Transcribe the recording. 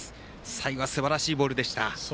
最後はすばらしいボールでした。